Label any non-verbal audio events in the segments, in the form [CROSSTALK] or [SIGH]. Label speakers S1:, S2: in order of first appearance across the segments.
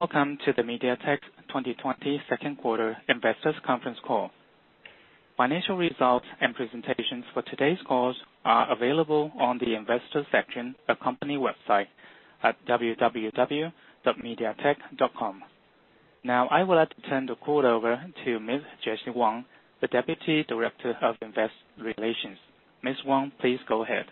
S1: Welcome to the MediaTek 2020 second quarter investors conference call. Financial results and presentations for today's calls are available on the investor section of company website at www.mediatek.com. I would like to turn the call over to Ms. Jessie Wang, the Deputy Director of Investor Relations. Ms. Wang, please go ahead.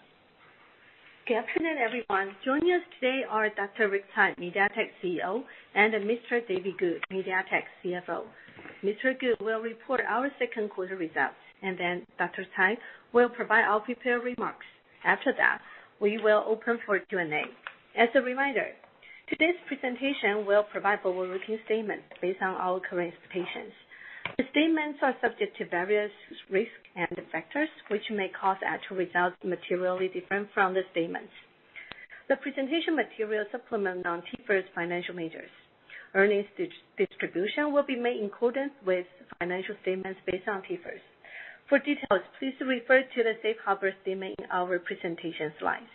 S2: Good afternoon, everyone. Joining us today are Dr. Rick Tsai, MediaTek CEO, and Mr. David Ku, MediaTek CFO. Mr. Ku will report our second quarter results, and then Dr. Tsai will provide our prepared remarks. After that, we will open for Q&A. As a reminder, today's presentation will provide forward-looking statements based on our current expectations. The statements are subject to various risk and factors which may cause actual results materially different from the statements. The presentation material supplement non-TIFRS financial measures. Earnings distribution will be made in accordance with financial statements based on TIFRS. For details, please refer to the safe harbor statement in our presentation slides.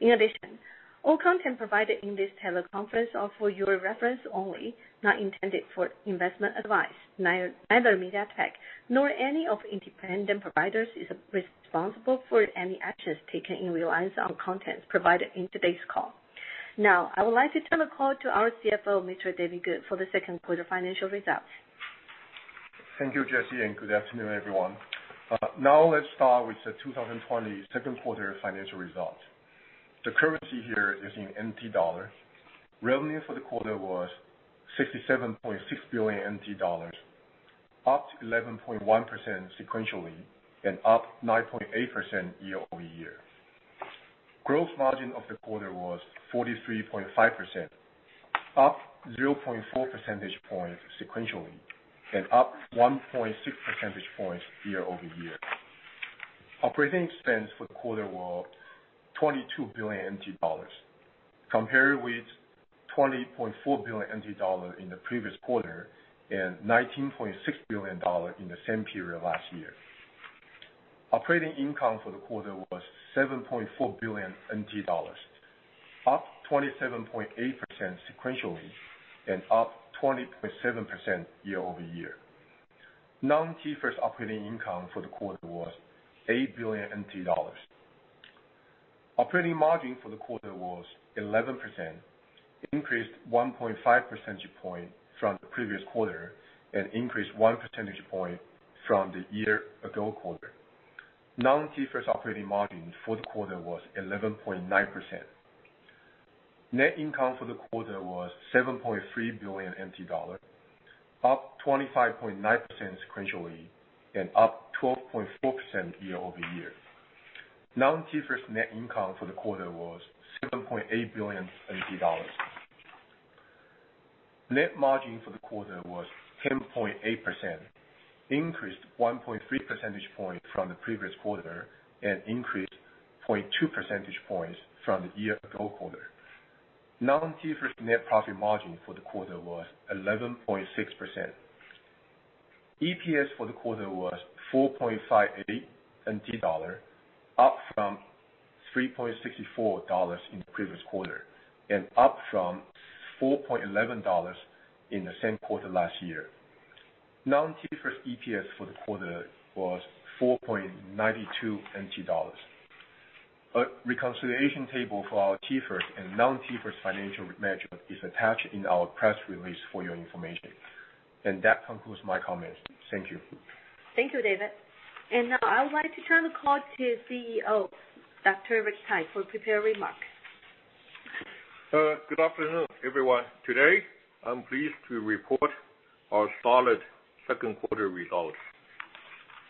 S2: In addition, all content provided in this teleconference are for your reference only, not intended for investment advice. Neither MediaTek nor any of independent providers is responsible for any actions taken in reliance on contents provided in today's call. I would like to turn the call to our CFO, Mr. David Ku, for the second quarter financial results.
S3: Thank you, Jessie, good afternoon, everyone. Let's start with the 2020 second quarter financial results. The currency here is in NT dollar. Revenue for the quarter was 67.6 billion NT dollars, up 11.1% sequentially and up 9.8% year-over-year. Gross margin of the quarter was 43.5%, up 0.4 percentage points sequentially, up 1.6 percentage points year-over-year. Operating expense for the quarter was 22 billion NT dollars, compared with 20.4 billion NT dollars in the previous quarter and 19.6 billion dollars in the same period last year. Operating income for the quarter was 7.4 billion NT dollars, up 27.8% sequentially and up 20.7% year-over-year. Non-TIFRS operating income for the quarter was 8 billion. Operating margin for the quarter was 11%, increased 1.5 percentage point from the previous quarter and increased 1 percentage point from the year-ago quarter. Non-TIFRS operating margin for the quarter was 11.9%. Net income for the quarter was 7.3 billion NT dollars, up 25.9% sequentially and up 12.4% year-over-year. Non-TIFRS net income for the quarter was 6.8 billion NT dollars. Net margin for the quarter was 10.8%, increased 1.3 percentage point from the previous quarter and increased 0.2 percentage points from the year-ago quarter. Non-TIFRS net profit margin for the quarter was 11.6%. EPS for the quarter was 4.58 dollar, up from 3.64 dollars in the previous quarter, and up from 4.11 dollars in the same quarter last year. Non-TIFRS EPS for the quarter was 4.92 NT dollars. A reconciliation table for our TIFRS and non-TIFRS financial measure is attached in our press release for your information. That concludes my comments. Thank you.
S2: Thank you, David. Now I would like to turn the call to CEO, Dr. Rick Tsai for prepared remarks.
S4: Good afternoon, everyone. Today, I'm pleased to report our solid second quarter results.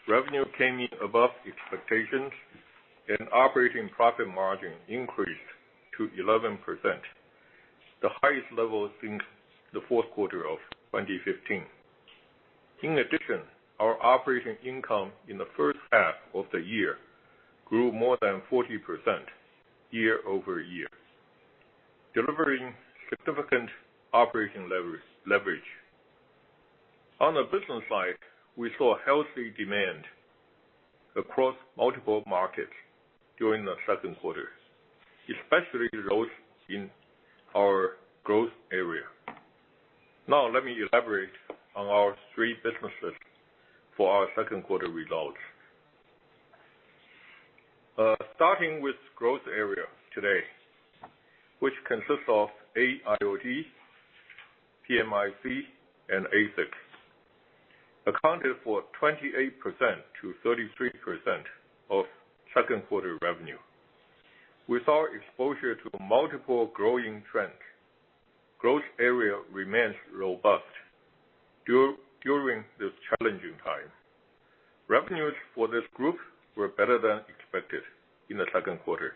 S4: Revenue came in above expectations and operating profit margin increased to 11%, the highest level since the fourth quarter of 2015. In addition, our operating income in the first half of the year grew more than 40% year-over-year, delivering significant operating leverage. On the business side, we saw healthy demand across multiple markets during the second quarter, especially growth in our growth area. Let me elaborate on our three businesses for our second quarter results. Starting with growth area today, which consists of AIoT, PMIC, and ASIC, accounted for 28%-33% of second quarter revenue. With our exposure to multiple growing trends, growth area remains robust during this challenging time. Revenues for this group were better than expected in the second quarter,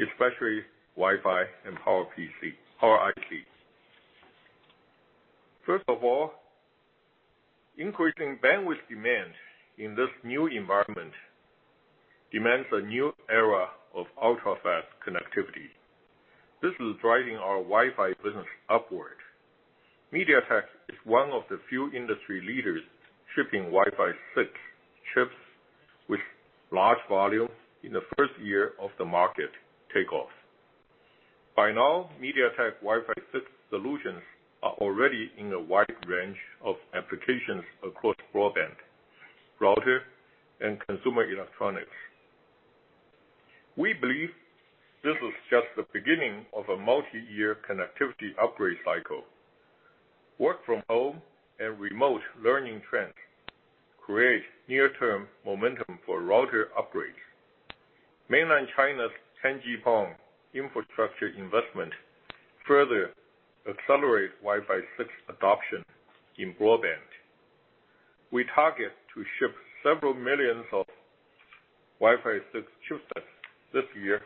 S4: especially Wi-Fi and Power IC. First of all, increasing bandwidth demand in this new environment demands a new era of ultra-fast connectivity. This is driving our Wi-Fi business upward. MediaTek is one of the few industry leaders shipping Wi-Fi 6 chips with large volume in the first year of the market takeoff. By now, MediaTek Wi-Fi 6 solutions are already in a wide range of applications across broadband, router, and consumer electronics. We believe this is just the beginning of a multi-year connectivity upgrade cycle. Work from home and remote learning trends create near-term momentum for router upgrades. Mainland China's tangible infrastructure investment further accelerates Wi-Fi 6 adoption in broadband. We target to ship several millions of Wi-Fi 6 chipsets this year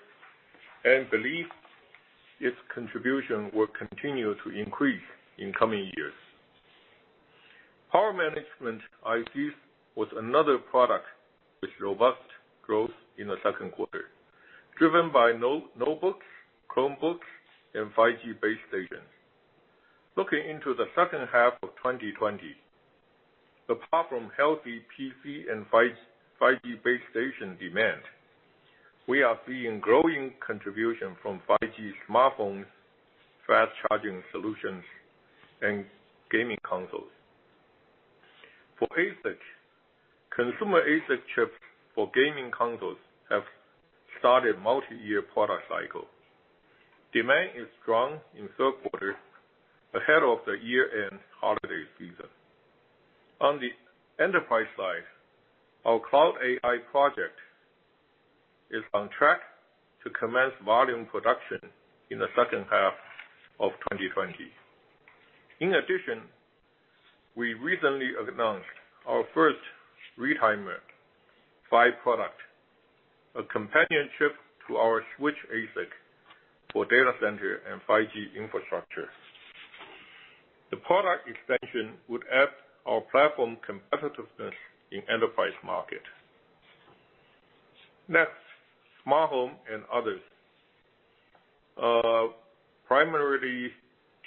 S4: and believe its contribution will continue to increase in coming years. Power management ICs was another product with robust growth in the second quarter, driven by notebooks, Chromebooks, and 5G base stations. Looking into the second half of 2020, apart from healthy PC and 5G base station demand, we are seeing growing contribution from 5G smartphones, fast charging solutions, and gaming consoles. For ASIC, consumer ASIC chips for gaming consoles have started multi-year product cycles. Demand is strong in third quarter ahead of the year-end holiday season. On the enterprise side, our cloud AI project is on track to commence volume production in the second half of 2020. We recently announced our first retimer PHY product, a companion chip to our switch ASIC for data center and 5G infrastructure. The product expansion would add our platform competitiveness in enterprise market. Smart home and others. Primarily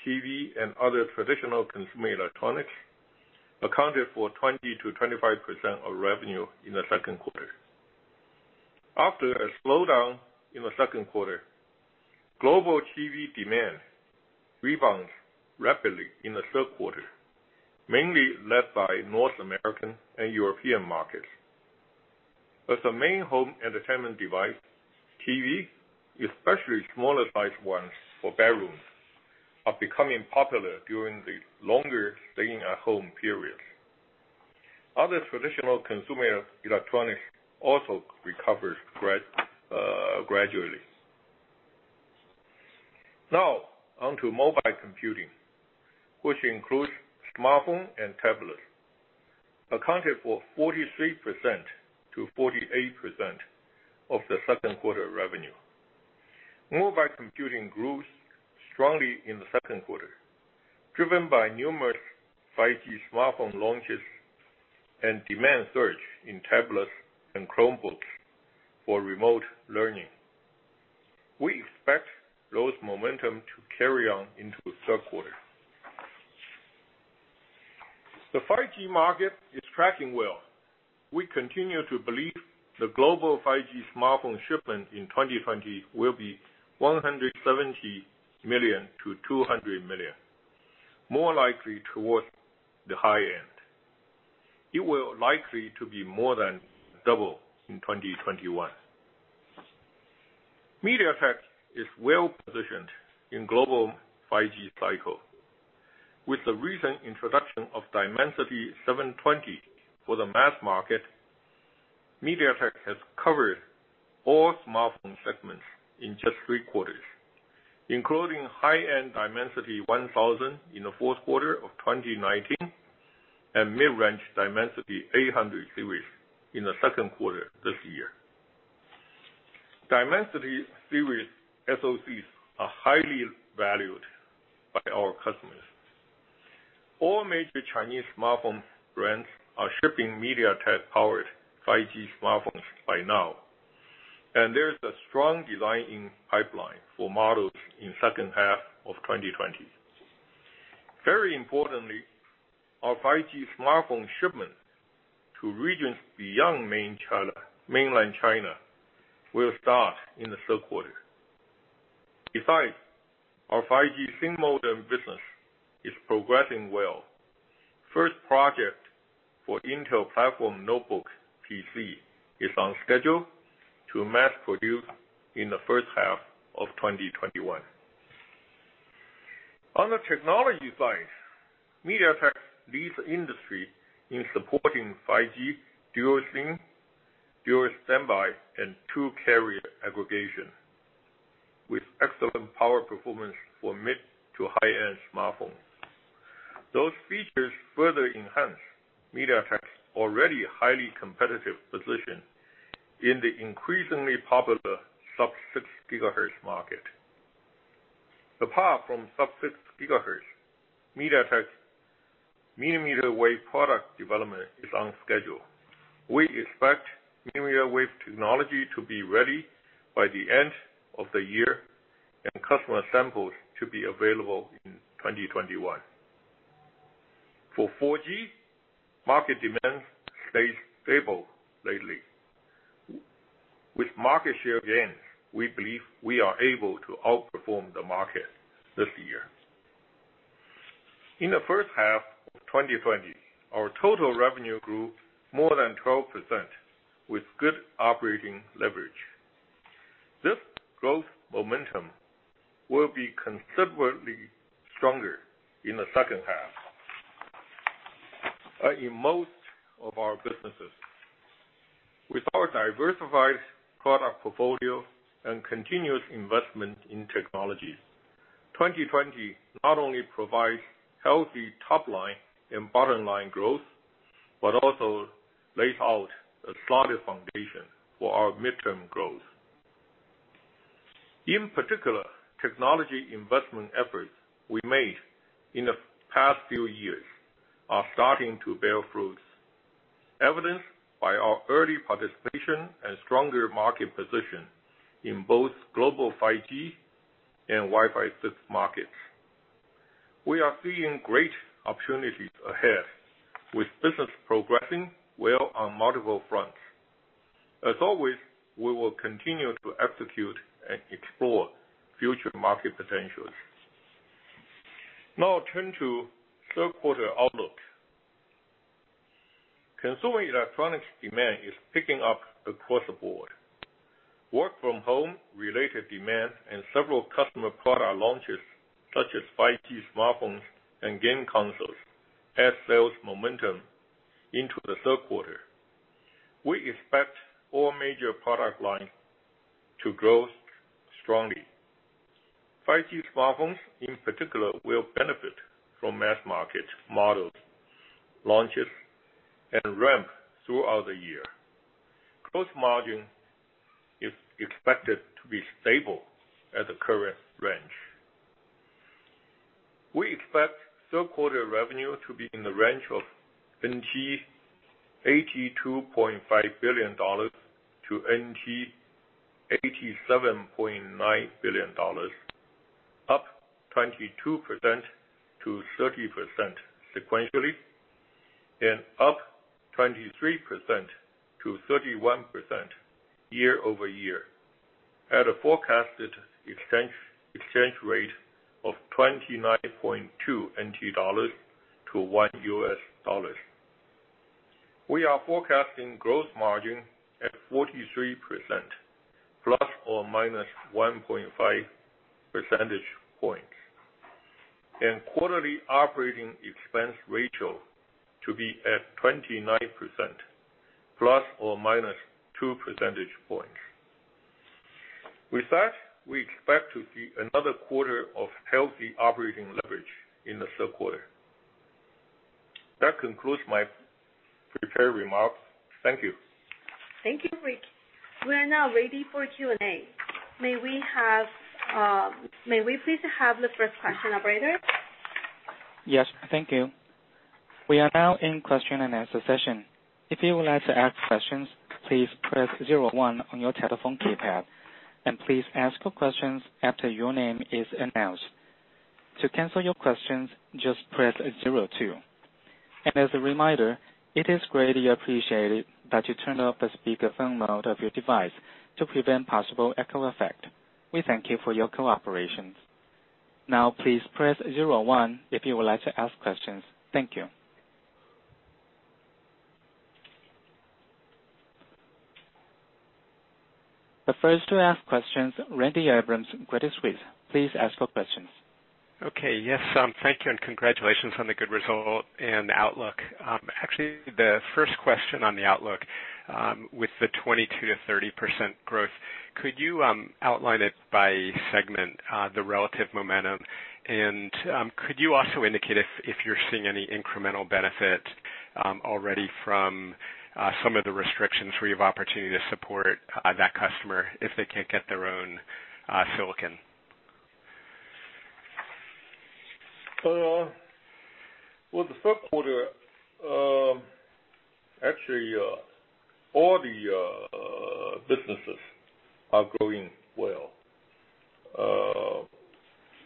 S4: TV and other traditional consumer electronics accounted for 20%-25% of revenue in the second quarter. After a slowdown in the second quarter, global TV demand rebounds rapidly in the third quarter, mainly led by North American and European markets. As the main home entertainment device, TV, especially smaller sized ones for bedrooms, are becoming popular during the longer staying at home periods. Other traditional consumer electronics also recovers gradually. Now onto mobile computing, which includes smartphone and tablet, accounted for 43%-48% of the second quarter revenue. Mobile computing grows strongly in the second quarter, driven by numerous 5G smartphone launches and demand surge in tablets and Chromebooks for remote learning. We expect those momentum to carry on into third quarter. The 5G market is tracking well. We continue to believe the global 5G smartphone shipment in 2020 will be 170 million-200 million, more likely towards the high end. It will likely to be more than double in 2021. MediaTek is well positioned in global 5G cycle. With the recent introduction of Dimensity 720 for the mass market, MediaTek has covered all smartphone segments in just three quarters, including high-end Dimensity 1000 in the fourth quarter of 2019, and mid-range Dimensity 800 series in the second quarter this year. Dimensity series SoCs are highly valued by our customers. All major Chinese smartphone brands are shipping MediaTek powered 5G smartphones by now. There is a strong design in pipeline for models in second half of 2020. Very importantly, our 5G smartphone shipments to regions beyond Mainland China will start in the third quarter. Besides, our 5G single modem business is progressing well. First project for Intel platform notebook PC is on schedule to mass produce in the first half of 2021. On the technology side, MediaTek leads the industry in supporting 5G dual SIM, dual standby, and two carrier aggregation with excellent power performance for mid-to-high-end smartphones. Those features further enhance MediaTek's already highly competitive position in the increasingly popular sub-6 GHz market. Apart from sub-6 GHz, MediaTek's millimeter wave product development is on schedule. We expect millimeter wave technology to be ready by the end of the year and customer samples to be available in 2021. For 4G, market demand stays stable lately. With market share gains, we believe we are able to outperform the market this year. In the first half of 2020, our total revenue grew more than 12% with good operating leverage. This growth momentum will be considerably stronger in the second half in most of our businesses. With our diversified product portfolio and continuous investment in technologies, 2020 not only provides healthy top-line and bottom-line growth, but also lays out a solid foundation for our midterm growth. In particular, technology investment efforts we made in the past few years are starting to bear fruit, evidenced by our early participation and stronger market position in both global 5G and Wi-Fi 6 markets. We are seeing great opportunities ahead, with business progressing well on multiple fronts. As always, we will continue to execute and explore future market potentials. Now I turn to third quarter outlook. Consumer electronics demand is picking up across the board. Work-from-home related demands and several customer product launches, such as 5G smartphones and game consoles, add sales momentum into the third quarter. We expect all major product lines to grow strongly. 5G smartphones, in particular, will benefit from mass-market models, launches, and ramp throughout the year. Gross margin is expected to be stable at the current range. We expect third quarter revenue to be in the range of TWD 82.5 billion-TWD 87.9 billion, up 22%-30% sequentially, and up 23%-31% year-over-year at a forecasted exchange rate of 29.2 NT dollars to one U.S. dollar. We are forecasting gross margin at 43% ±1.5 percentage points, and quarterly operating expense ratio to be at 29% ±2 percentage points. We expect to see another quarter of healthy operating leverage in the third quarter. That concludes my prepared remarks. Thank you.
S2: Thank you, Rick. We are now ready for Q&A. May we please have the first question, operator?
S1: Yes. Thank you. We are now in question and answer session. If you would like to ask questions, please press zero one on your telephone keypad, please ask your questions after your name is announced. To cancel your questions, just press zero two. As a reminder, it is greatly appreciated that you turn off the speakerphone mode of your device to prevent possible echo effect. We thank you for your cooperation. Now, please press zero one if you would like to ask questions. Thank you. The first to ask questions, Randy Abrams, Credit Suisse. Please ask your questions.
S5: Okay. Yes. Thank you, and congratulations on the good result and outlook. Actually, the first question on the outlook, with the 22%-30% growth, could you outline it by segment, the relative momentum? Could you also indicate if you're seeing any incremental benefit already from some of the restrictions where you have opportunity to support that customer if they can't get their own silicon?
S4: For the third quarter, actually, all the businesses are growing well.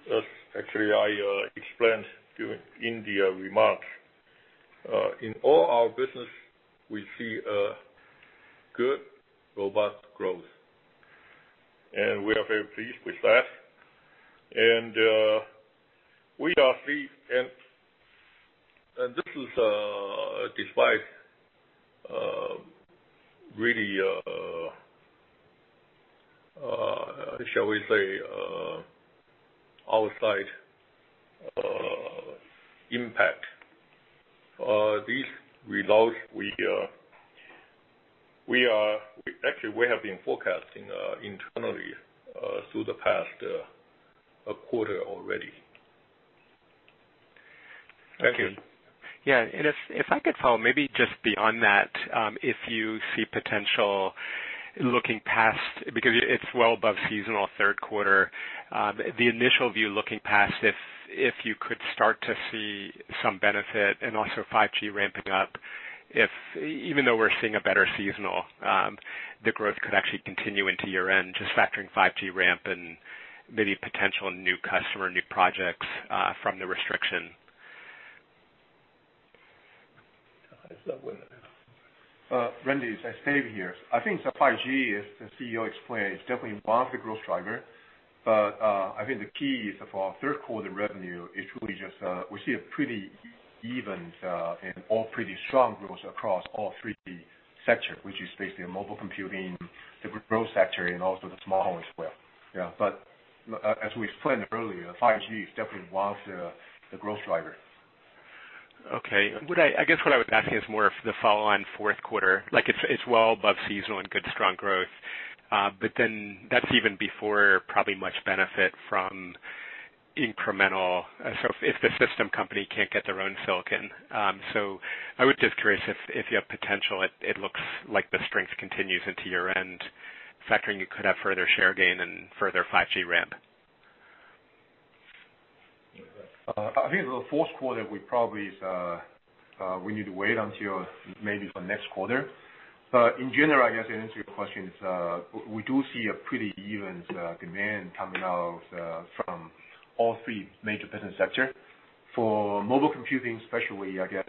S4: As actually I explained during in the remarks. In all our business, we see a good, robust growth, and we are very pleased with that. This is despite really, shall we say, outside impact. These results, actually, we have been forecasting internally through the past quarter already. Thank you.
S5: Yeah. If I could follow, maybe just beyond that, if you see potential looking past, because it's well above seasonal third quarter. The initial view looking past, if you could start to see some benefit and also 5G ramping up, if even though we're seeing a better seasonal, the growth could actually continue into year-end, just factoring 5G ramp and maybe potential new customer, new projects from the restriction.
S3: Randy, it's David here. I think 5G, as the CEO explained, is definitely one of the growth drivers. I think the key is for our third quarter revenue is really just, we see a pretty even and all pretty strong growth across all three sectors, which is basically mobile computing, the growth sector, and also the small home as well. Yeah. As we explained earlier, 5G is definitely one of the growth drivers.
S5: Okay. I guess what I was asking is more of the follow on fourth quarter. It's well above seasonal and good strong growth. That's even before probably much benefit from incremental, so if the system company can't get their own silicon. I was just curious if you have potential, it looks like the strength continues into year-end, factoring you could have further share gain and further 5G ramp.
S3: I think for the fourth quarter, we need to wait until maybe for next quarter. In general, I guess to answer your question, we do see a pretty even demand coming out from all three major business sectors. For mobile computing especially, I guess,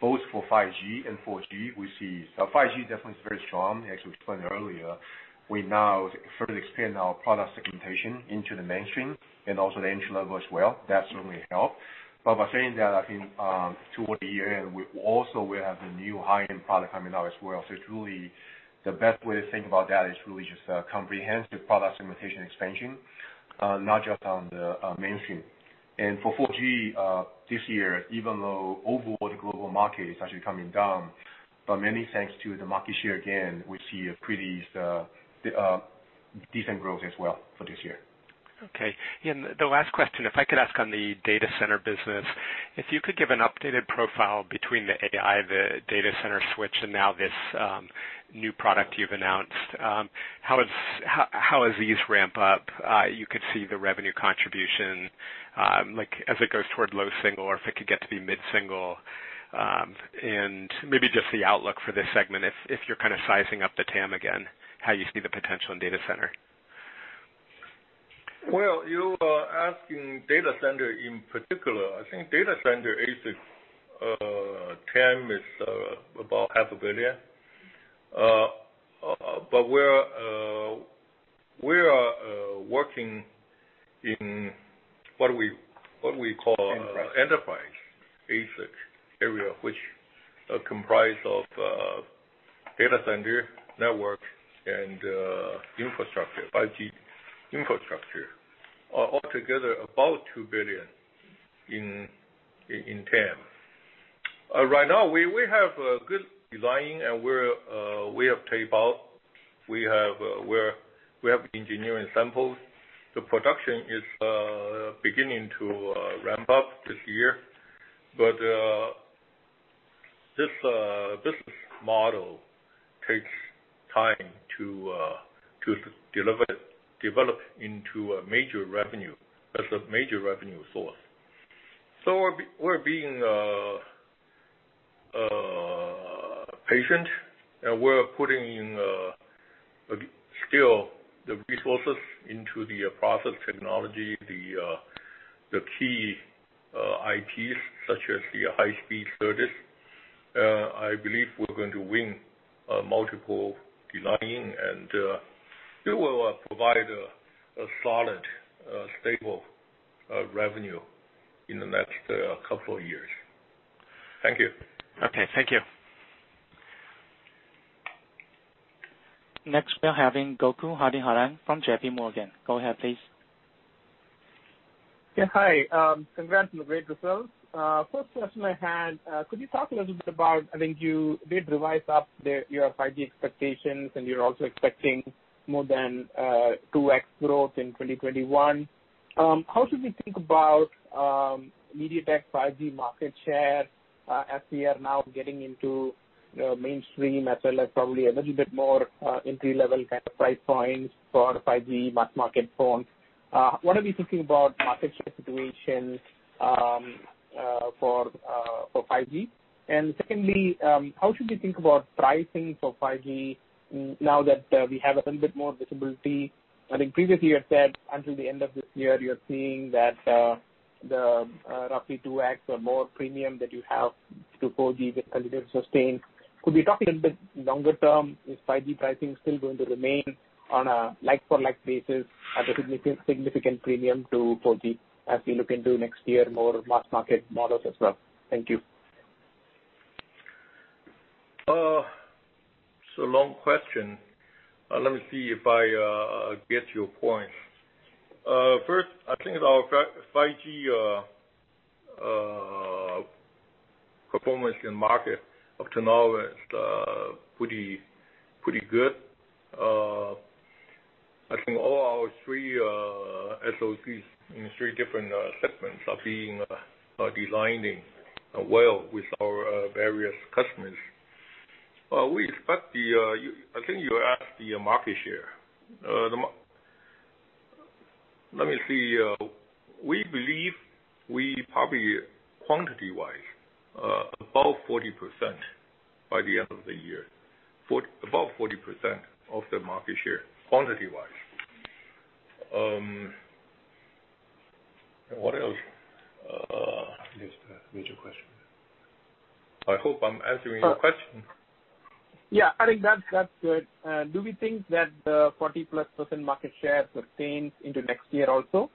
S3: both for 5G and 4G, we see 5G definitely is very strong. As we explained earlier, we now further expand our product segmentation into the mainstream and also the entry-level as well. That certainly helps. By saying that, I think, toward the year-end, we also will have the new high-end product coming out as well. It's really the best way to think about that is really just a comprehensive product segmentation expansion, not just on the mainstream. For 4G, this year, even though overall the global market is actually coming down, but many thanks to the market share again, we see a pretty decent growth as well for this year.
S5: Okay. The last question, if I could ask on the data center business. If you could give an updated profile between the AI, the data center switch, and now this new product you've announced. How has these ramp up? You could see the revenue contribution, as it goes toward low single, or if it could get to be mid-single. Maybe just the outlook for this segment if you're kind of sizing up the TAM again, how you see the potential in data center.
S4: Well, you are asking data center in particular. I think data center ASIC, TAM is about half a billion. We are working in what we call enterprise ASIC area, which comprise of data center, network, and 5G infrastructure. Altogether, about 2 billion in TAM. Right now, we have a good design, and we have tape out. We have engineering samples. The production is beginning to ramp up this year. This business model takes time to develop into a major revenue as a major revenue source. We're being patient, and we're putting in still the resources into the process technology, the key IPs, such as the high-speed SerDes. I believe we're going to win multiple designing, and it will provide a solid, stable revenue in the next couple of years. Thank you.
S5: Okay. Thank you.
S1: Next, we're having Gokul Hariharan from JPMorgan. Go ahead, please.
S6: Yeah. Hi. Congrats on the great results. First question I had, could you talk a little bit about, I think you did revise up your 5G expectations. You're also expecting more than 2x growth in 2021. How should we think about MediaTek's 5G market share as we are now getting into mainstream as well as probably a little bit more entry-level kind of price points for 5G mass market phones? What are we thinking about market share situation for 5G? Secondly, how should we think about pricing for 5G now that we have a little bit more visibility? I think previously you had said until the end of this year, you're seeing that the roughly 2x or more premium that you have to 4G can be sustained. Could we talk a little bit longer term? Is 5G pricing still going to remain on a like for like basis at a significant premium to 4G as we look into next year, more mass market models as well? Thank you.
S4: It's a long question. Let me see if I get your point. First, I think our 5G performance in market up to now is pretty good. I think all our three SoCs in three different segments are being designed well with our various customers. I think you asked the market share. Let me see. We believe we probably, quantity-wise, above 40% by the end of the year. Above 40% of the market share, quantity-wise. What else?
S3: Yes. Major question.
S4: I hope I'm answering your question.
S6: Yeah. I think that's good. Do we think that the 40%+ market share sustains into next year also?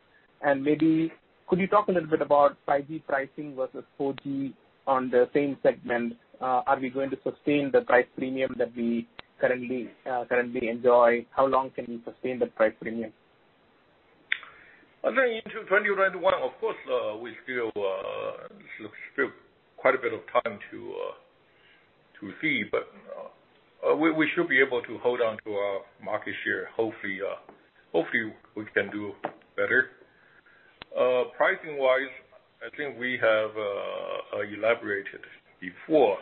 S6: Maybe could you talk a little bit about 5G pricing versus 4G on the same segment? Are we going to sustain the price premium that we currently enjoy? How long can we sustain the price premium?
S4: I think into 2021, of course, we still quite a bit of time to see, but we should be able to hold on to our market share. Hopefully, we can do better. Pricing-wise, I think we have elaborated before,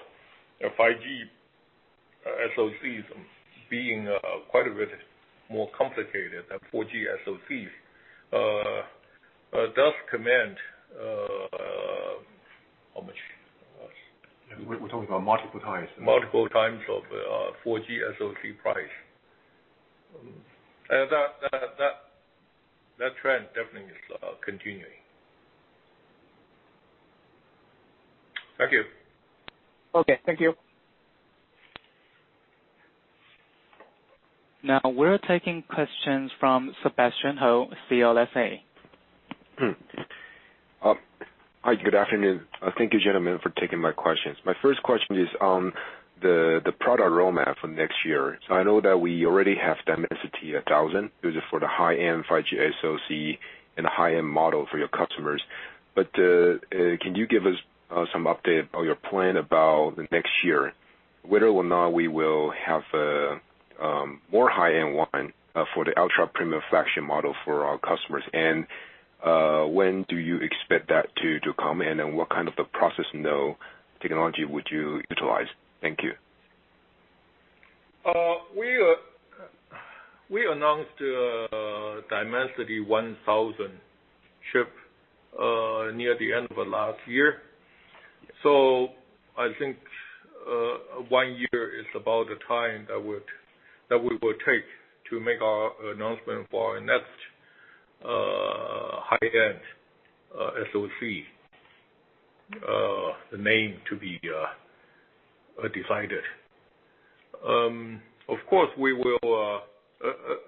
S4: 5G SOCs being quite a bit more complicated than 4G SOCs, does command, how much?
S3: We're talking about multiple times.
S4: Multiple times of 4G SoC price. That trend definitely is continuing. Thank you.
S6: Okay. Thank you.
S1: Now, we're taking questions from Sebastian Hou, CLSA.
S7: Hi, good afternoon. Thank you, gentlemen, for taking my questions. My first question is on the product roadmap for next year. I know that we already have Dimensity 1000. It is for the high-end 5G SoC and high-end model for your customers. Can you give us some update on your plan about the next year? Whether or not we will have more high-end one for the ultra-premium flagship model for our customers. When do you expect that to come? What kind of the process node technology would you utilize? Thank you.
S4: We announced Dimensity 1000 chip near the end of last year. I think one year is about the time that we will take to make our announcement for our next high-end SoC. The name to be decided. Of course,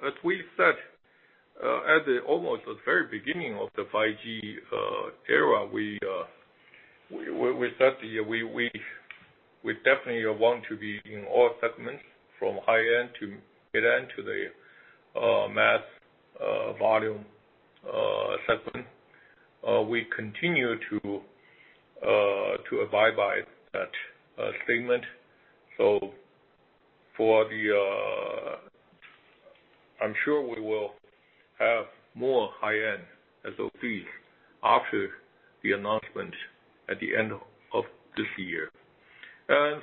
S4: as we said, at almost the very beginning of the 5G era, we said we definitely want to be in all segments, from high-end to mid-end to the mass volume segment. We continue to abide by that statement. I'm sure we will have more high-end SoCs after the announcement at the end of this year.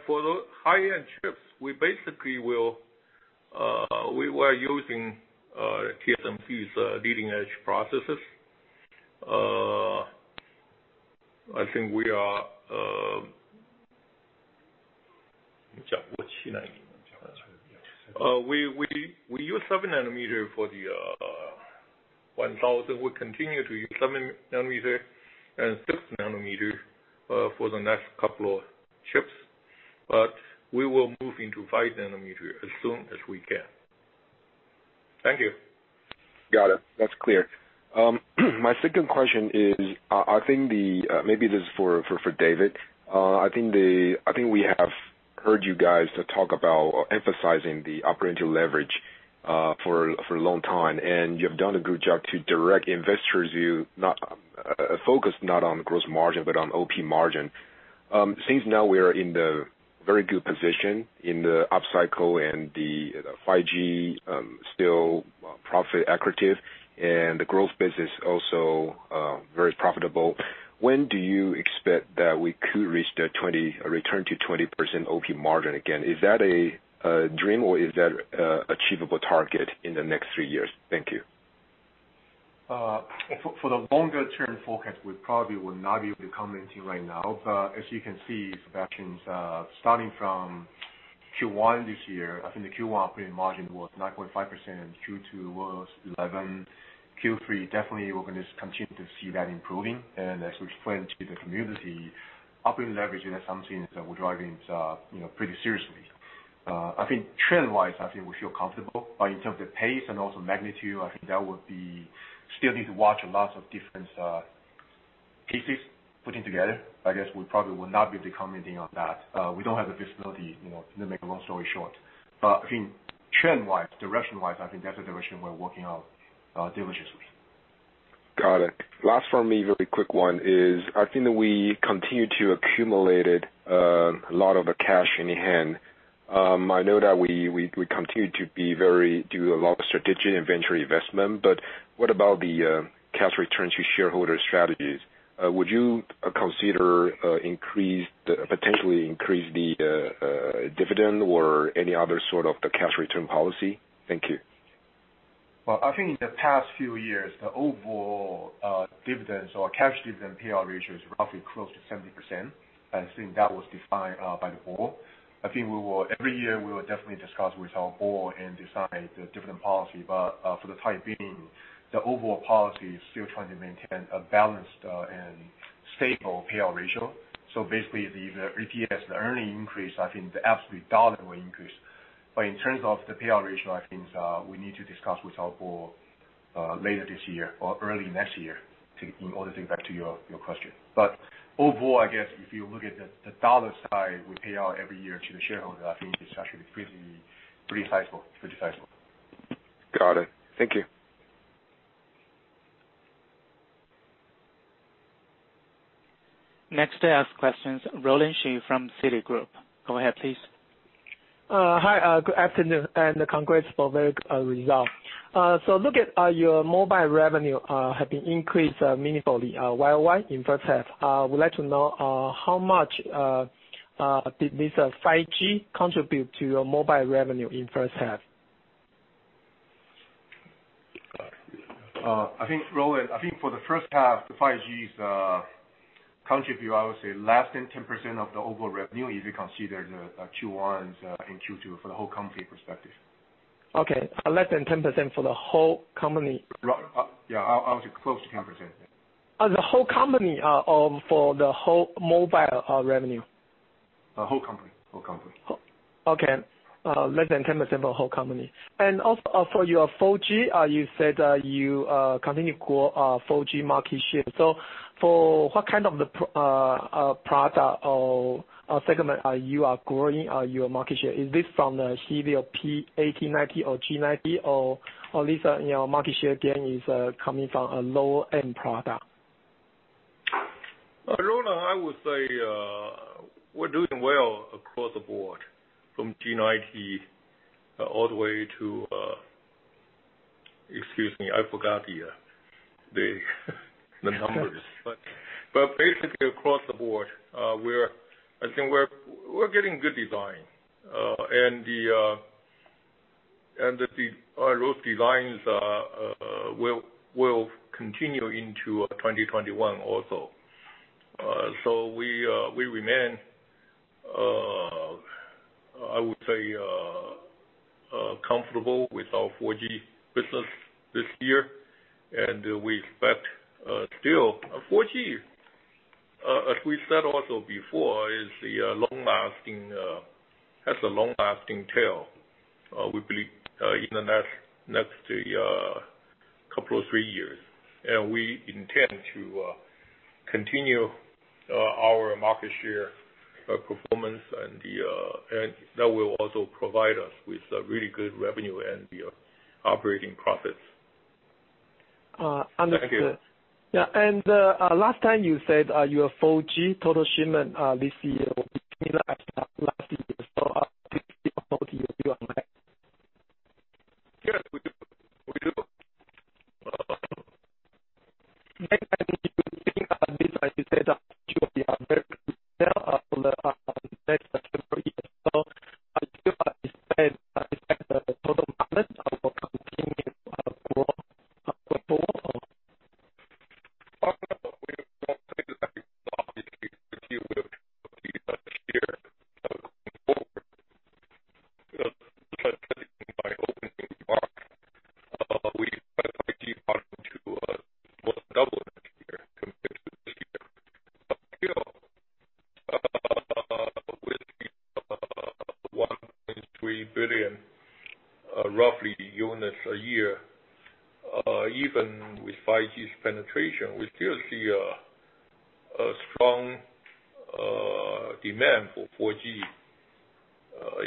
S4: For the high-end chips, we were using TSMC's leading-edge processes. I think we use 7 nm for the 1000. We'll continue to use 7 nm and 6 nm, for the next couple of chips. We will move into 5 nm as soon as we can. Thank you.
S7: Got it. That's clear. My second question is, maybe this is for David. I think we have heard you guys talk about emphasizing the operating leverage for a long time, and you have done a good job to direct investors view, focus not on gross margin, but on OP margin. Since now we are in the very good position in the up cycle and the 5G still profit accretive and the growth business also very profitable. When do you expect that we could return to 20% OP margin again? Is that a dream or is that achievable target in the next three years? Thank you.
S3: For the longer term forecast, we probably will not be able to commenting right now. As you can see, Sebastian, starting from Q1 this year, I think the Q1 operating margin was 9.5%, and Q2 was 11%. Q3, definitely we're going to continue to see that improving. As we explained to the community, operating leverage is something that we're driving pretty seriously. I think trend-wise, I think we feel comfortable. In terms of pace and also magnitude, I think that would be, still need to watch lots of different pieces putting together. I guess we probably will not be able to commenting on that. We don't have the visibility, to make a long story short. I think trend-wise, direction-wise, I think that's the direction we're working on diligently.
S7: Got it. Last from me, really quick one is, I think that we continue to accumulated a lot of the cash in hand. I know that we continue to do a lot of strategic and venture investment, but what about cash return to shareholder strategies. Would you consider potentially increase the dividend or any other sort of cash return policy? Thank you.
S3: Well, I think in the past few years, the overall dividends or cash dividend payout ratio is roughly close to 70%. I think that was defined by the board. I think every year we will definitely discuss with our board and decide the dividend policy. For the time being, the overall policy is still trying to maintain a balanced and stable payout ratio. Basically, if EPS, the earning increase, I think the absolute dollar will increase. In terms of the payout ratio, I think we need to discuss with our board later this year or early next year, in order to think back to your question. Overall, I guess if you look at the dollar side we pay out every year to the shareholder, I think it's actually pretty sizable.
S7: Got it. Thank you.
S1: Next to ask questions, Roland Shu from Citigroup. Go ahead, please.
S8: Hi, good afternoon. Congrats for very good result. Look at your mobile revenue have been increased meaningfully YOY in first half. I would like to know how much did this 5G contribute to your mobile revenue in first half?
S3: Roland, I think for the first half, the 5G contribute, I would say less than 10% of the overall revenue, if you consider the Q1 and Q2 for the whole company perspective.
S8: Okay. Less than 10% for the whole company.
S4: Yeah. I would say close to 10%.
S8: The whole company for the whole mobile revenue?
S4: Whole company.
S8: Okay. Less than 10% for the whole company. Also for your 4G, you said that you continue to grow 4G market share. For what kind of the product or segment are you are growing your market share? Is this from the Helio P80, 90 or G90, or at least your market share gain is coming from a lower-end product?
S4: Roland, I would say, we're doing well across the board from G90 all the way to Excuse me, I forgot the numbers. Basically across the board, I think we're getting good design. Those designs will continue into 2021 also. We remain, I would say, comfortable with our 4G business this year, and we expect still a 4G. As we said also before, has a long-lasting tail. We believe in the next couple of three years. We intend to continue our market share performance and that will also provide us with really good revenue and the operating profits.
S8: Understood.
S4: Thank you.
S8: Yeah. Last time you said your 4G total shipment this year will be similar as last year. I think you are right.
S4: Yes, we do.
S8: [AUDIO DISTORTION] [AUDIO DISTORTION]
S4: Still, with 1.3 billion roughly units a year, even with 5G's penetration, we still see a strong demand for 4G,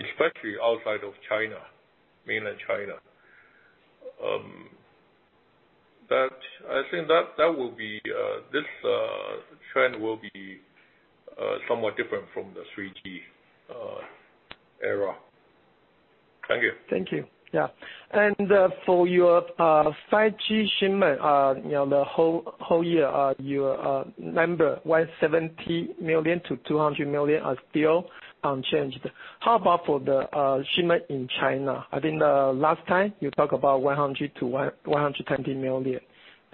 S4: especially outside of Mainland China. I think this trend will be somewhat different from the 3G era. Thank you.
S8: Thank you. Yeah. For your 5G shipment, the whole year, your number, 170 million-200 million are still unchanged. How about for the shipment in China? I think the last time you talked about 100 million-120 million.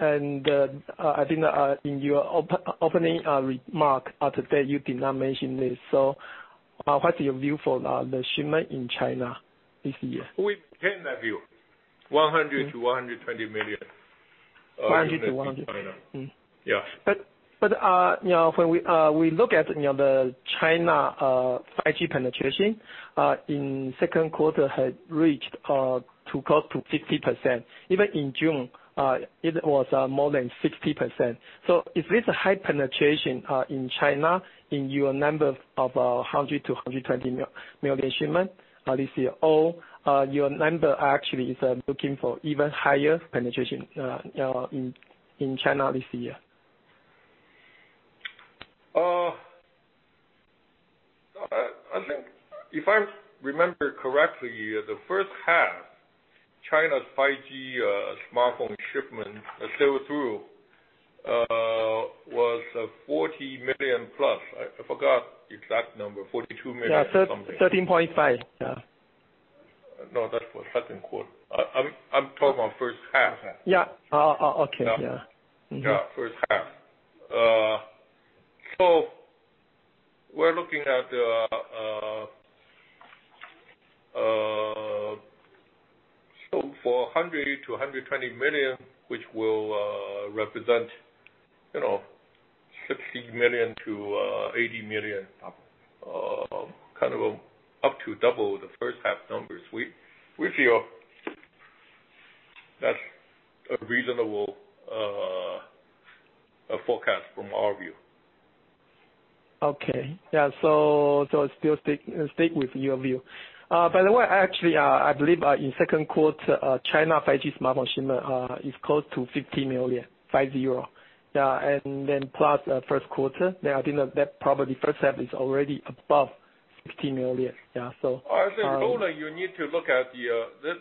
S8: I think in your opening remark today, you did not mention this. What's your view for the shipment in China this year?
S4: We maintain that view. 100 million-120 million.
S8: 100 million-120 million.
S4: In China. Yeah.
S8: When we look at the China 5G penetration, in second quarter had reached close to 50%. Even in June, it was more than 60%. Is this a high penetration in China in your numbers of 100 million-120 million shipment this year? Your number actually is looking for even higher penetration in China this year?
S4: If I remember correctly, the first half, China's 5G smartphone shipment sell-through was 40 million+. I forgot exact number, 42 million something.
S8: Yeah, 13.5. Yeah.
S4: No, that's for second quarter. I'm talking about first half.
S8: Yeah. Oh, okay. Yeah. Mm-hmm.
S4: Yeah, first half. We're looking at, so for 100 million-120 million, which will represent 60 million-80 million, up to double the first half numbers. We feel that's a reasonable forecast from our view.
S8: Okay. Yeah. Still stick with your view. By the way, actually, I believe, in second quarter, China 5G smartphone shipment is close to 50 million. Yeah, plus first quarter, I think that probably first half is already above 50 million. Yeah.
S4: I think, Roland, you need to look at,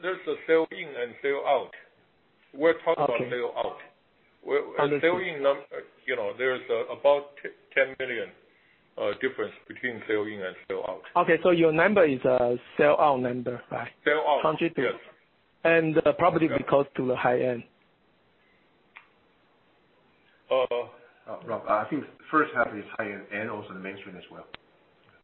S4: there's a sell-in and sell-out.
S8: Okay. Understood.
S4: Sell-in number, there's about 10 million difference between sell-in and sell-out.
S8: Okay, your number is a sell-out number, right?
S4: Sell-out.
S8: Contribution.
S4: Yes.
S8: Probably because to the high-end?
S3: Roland, I think first half is high-end and also the mainstream as well.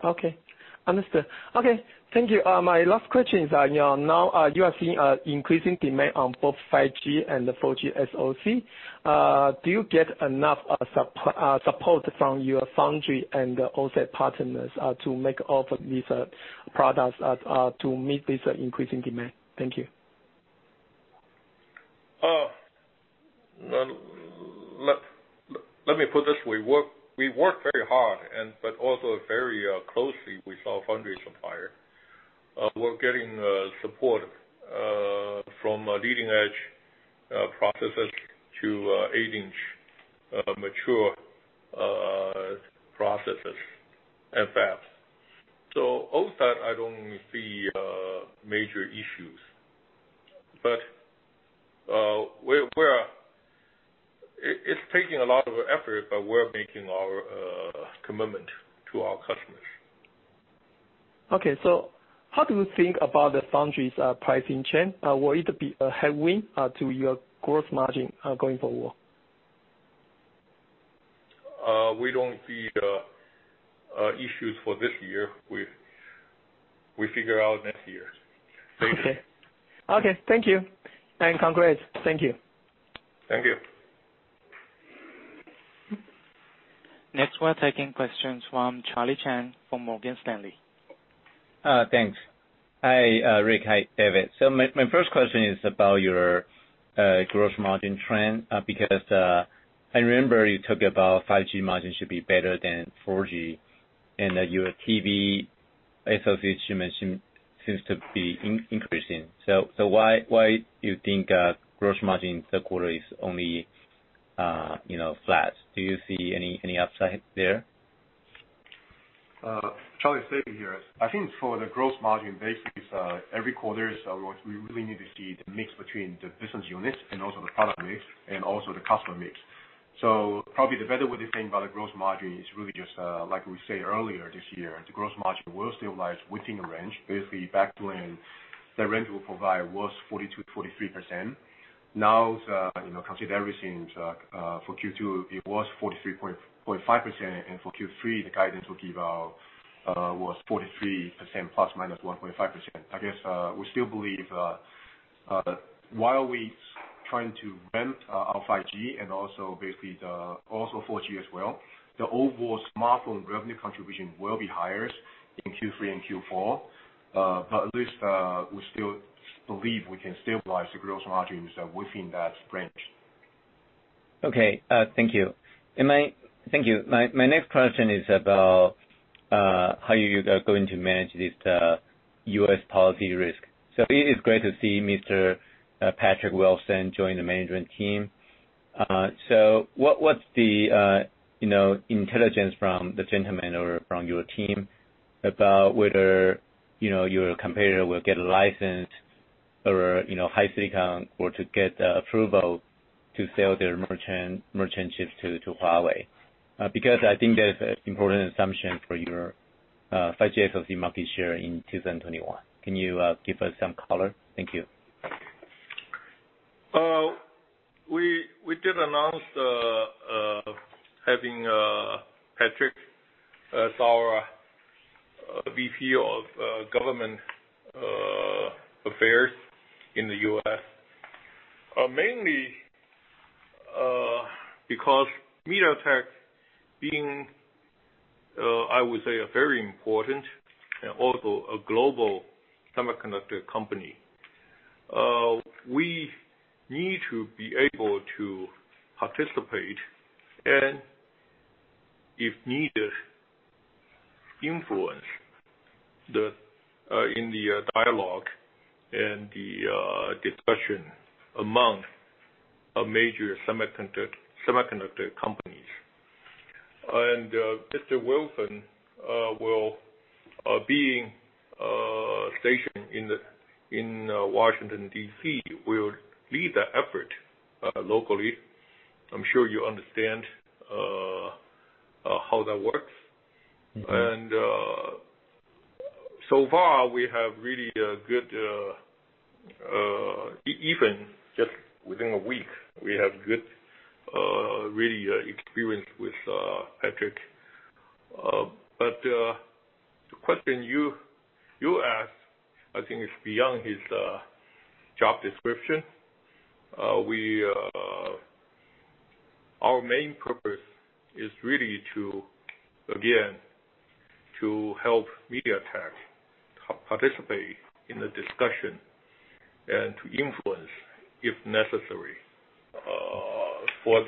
S8: Okay. Understood. Okay. Thank you. My last question is, now you are seeing increasing demand on both 5G and the 4G SoC. Do you get enough support from your foundry and also partners to make all of these products to meet this increasing demand? Thank you.
S4: Let me put it this way. We work very hard, but also very closely with our foundry supplier. We're getting support from leading-edge processes to 8-inch mature processes and fabs. All that, I don't see major issues. It's taking a lot of effort, but we're making our commitment to our customers.
S8: Okay, how do you think about the foundry's pricing chain? Will it be a headwind to your gross margin going forward?
S4: We don't see issues for this year. We figure out next year. Thank you.
S8: Okay. Thank you, and congrats. Thank you.
S4: Thank you.
S1: Next, we're taking questions from Charlie Chan from Morgan Stanley.
S9: Thanks. Hi, Rick. Hi, David. My first question is about your gross margin trend, because I remember you talked about 5G margin should be better than 4G, and that your TV SoC you mentioned seems to be increasing. Why you think gross margin third quarter is only flat? Do you see any upside there?
S3: Charlie, David here. I think for the gross margin, basically every quarter, we really need to see the mix between the business units and also the product mix, and also the customer mix. Probably the better way to think about the gross margin is really just, like we say earlier this year, the gross margin will stabilize within a range. Basically, back when the range we provide was 42%-43%. Now as you know, consider everything for Q2, it was 43.5%, and for Q3, the guidance we give out was 43% ±1.5%. I guess, we still believe while we trying to ramp our 5G and also basically the also 4G as well, the overall smartphone revenue contribution will be higher in Q3 and Q4. At least, we still believe we can stabilize the gross margins within that range.
S9: Okay. Thank you. My next question is about how you are going to manage this U.S. policy risk. It is great to see Mr. Patrick Wilson join the management team. What's the intelligence from the gentleman or from your team about whether your competitor will get a license or, HiSilicon or to get approval to sell their merchant chips to Huawei? I think that is important assumption for your 5G SoC market share in 2021. Can you give us some color? Thank you.
S4: We did announce having Patrick as our VP of Government Affairs in the U.S. Mainly, because MediaTek being, I would say, a very important and also a global semiconductor company, we need to be able to participate, and if needed, influence in the dialogue and the discussion among major semiconductor companies. Mr. Wilson will, being stationed in Washington, D.C., will lead the effort locally. I'm sure you understand how that works.
S3: So far, even just within a week, we have good experience with Patrick. The question you asked, I think it's beyond his job description. Our main purpose is really, again, to help MediaTek participate in the discussion and to influence, if necessary, for a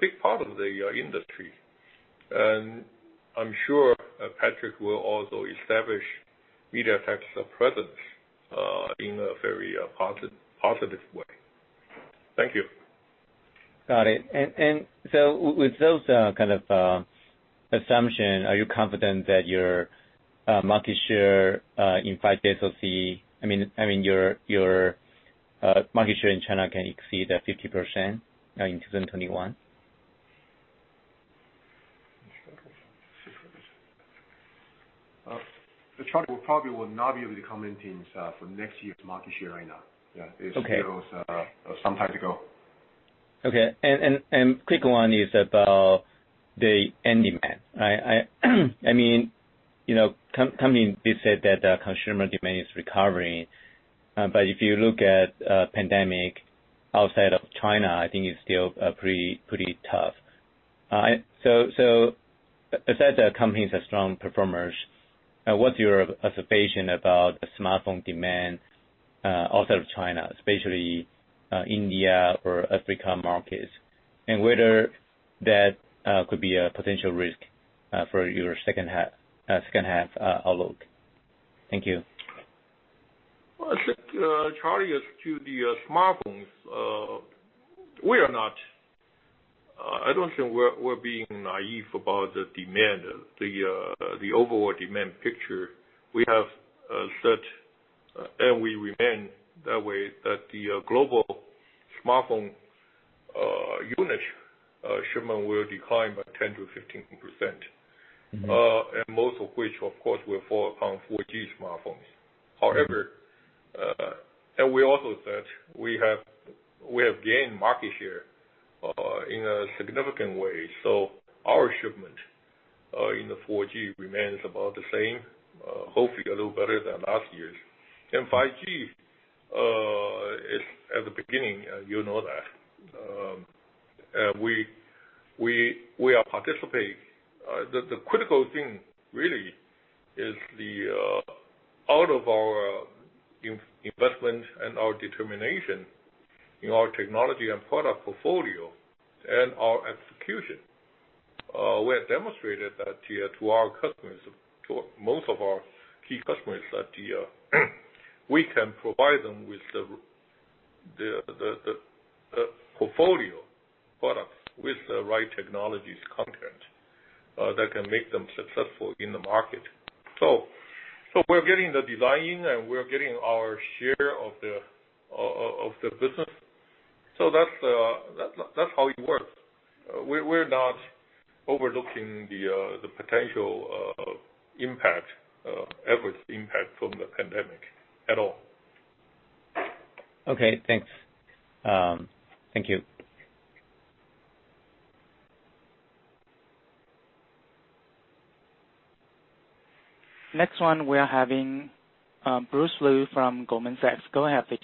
S3: big part of the industry. I'm sure Patrick will also establish MediaTek's presence in a very positive way. Thank you.
S9: Got it. With those kind of assumption, are you confident that your market share in China can exceed 50% in 2021?
S3: Charlie probably will not be able to comment for next year's market share right now.
S9: Okay.
S3: It's still some time to go.
S9: Okay. Quick one is about the end demand. Company said that consumer demand is recovering, but if you look at pandemic outside of China, I think it's still pretty tough. I said the companies are strong performers. What's your observation about smartphone demand outside of China, especially India or Africa markets, and whether that could be a potential risk for your second half outlook. Thank you.
S4: Well, I think, Charlie, as to the smartphones, I don't think we're being naïve about the overall demand picture. We have said, and we remain that way, that the global smartphone unit shipment will decline by 10%-15%. Most of which, of course, will fall on 4G smartphones. However, and we also said, we have gained market share in a significant way. Our shipment in the 4G remains about the same, hopefully a little better than last year's. In 5G, it's at the beginning, you know that. We are participating. The critical thing really is all of our investment and our determination in our technology and product portfolio, and our execution. We have demonstrated that to most of our key customers, that we can provide them with the portfolio products with the right technologies content that can make them successful in the market. We're getting the design in, and we're getting our share of the business. That's how it works. We're not overlooking the potential adverse impact from the pandemic at all.
S1: Okay, thanks. Thank you. Next one we are having Bruce Lu from Goldman Sachs. Go ahead, please.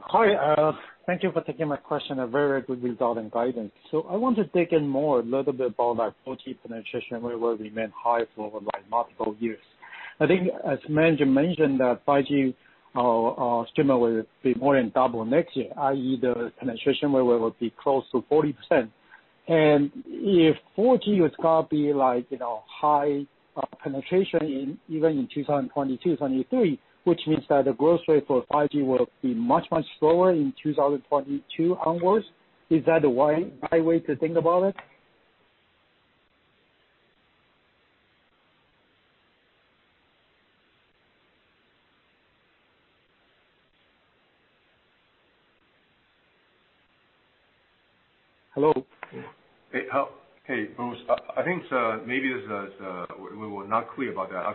S10: Hi. Thank you for taking my question. A very good result and guidance. I want to dig in more a little bit about that 4G penetration where it will remain high for multiple years. I think as mentioned that 5G estimate will be more than double next year, i.e., the penetration where we will be close to 40%. If 4G is going to be high penetration even in 2022, 2023, which means that the growth rate for 5G will be much slower in 2022 onwards. Is that the right way to think about it? Hello?
S3: Hey, Bruce. I think maybe we were not clear about that.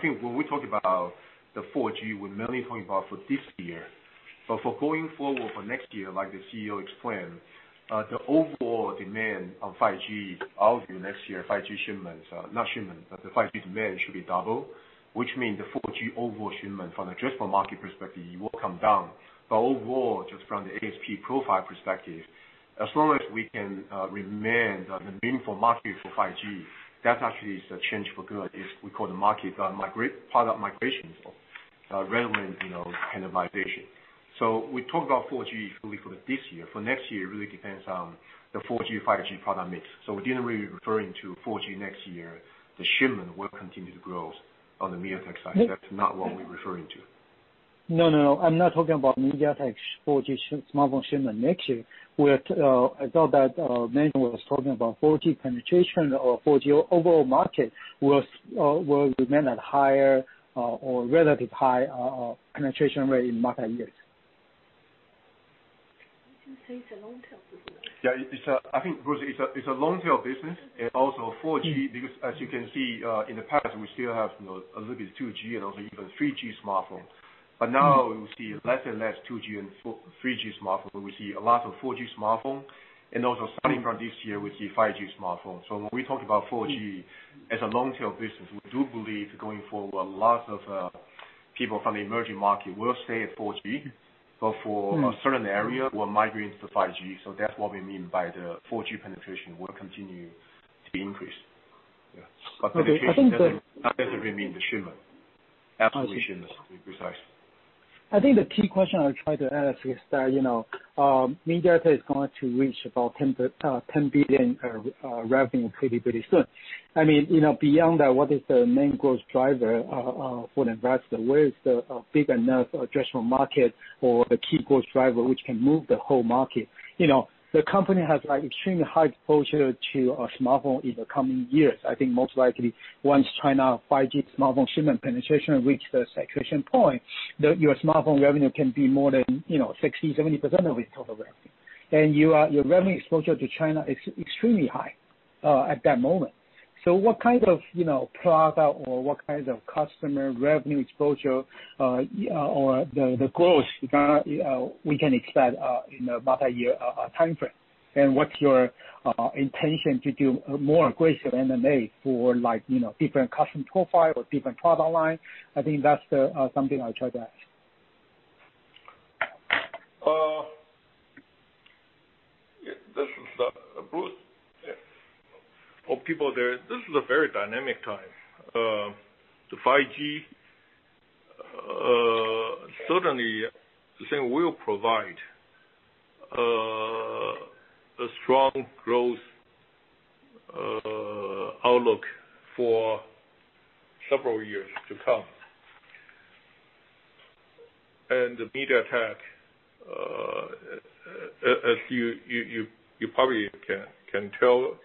S3: For going forward for next year, like the CEO explained, the overall demand on 5G, our view next year, the 5G demand should be double, which means the 4G overall shipment from just the market perspective will come down. Overall, just from the ASP profile perspective, as long as we can remain the meaningful market for 5G, that actually is a change for good. We call the market product migration for relevant standardization. We talk about 4G fully for this year. For next year, it really depends on the 4G, 5G product mix. We didn't really referring to 4G next year. The shipment will continue to grow on the MediaTek side. That's not what we're referring to.
S10: No, I'm not talking about MediaTek's 4G smartphone shipment next year. I thought that [INAUDIBLE] was talking about 4G penetration or 4G overall market will remain at higher or relative high penetration rate in multi years.
S2: Would you say it's a long tail business?
S3: Yeah. I think, Bruce, it's a long tail business and also 4G, because as you can see, in the past, we still have a little bit of 2G and also even 3G smartphone. Now we see less and less 2G and 3G smartphone. We see a lot of 4G smartphone, and also starting from this year, we see 5G smartphone. When we talk about 4G as a long-term business, we do believe going forward, lots of people from the emerging market will stay at 4G. For a certain area, we're migrating to 5G. That's what we mean by the 4G penetration will continue to increase. Yeah.
S10: Okay. I think.
S3: Penetration doesn't really mean the shipment. Absolutely shipments, to be precise.
S10: I think the key question I try to ask is that, MediaTek is going to reach about 10 billion revenue pretty soon. Beyond that, what is the main growth driver for the investor? Where is the big enough addressable market or the key growth driver, which can move the whole market? The company has extremely high exposure to smartphone in the coming years. I think most likely once China 5G smartphone shipment penetration reach the saturation point, your smartphone revenue can be more than 60%-70% of its total revenue. Your revenue exposure to China is extremely high at that moment. What kind of product or what kind of customer revenue exposure, or the growth we can expect in a multi-year timeframe? What's your intention to do more aggressive M&A for different customer profile or different product line? I think that's something I try to ask.
S4: This is Rick, Bruce. For people there, this is a very dynamic time. The 5G, certainly this thing will provide a strong growth outlook for several years to come. MediaTek, as you probably can tell,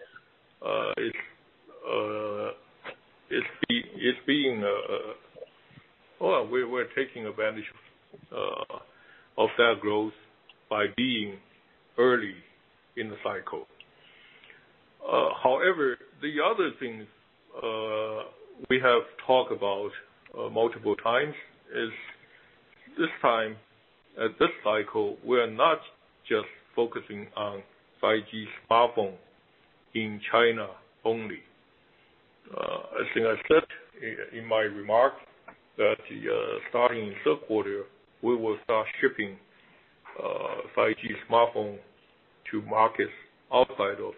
S4: we're taking advantage of that growth by being early in the cycle. The other thing we have talked about multiple times is this time, at this cycle, we're not just focusing on 5G smartphone in China only. As I said in my remarks, that starting third quarter, we will start shipping 5G smartphone to markets outside of